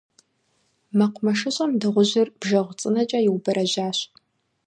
Мэкъумэшыщӏэм дыгъужьыр бжэгъу цӏынэкӏэ иубэрэжьащ.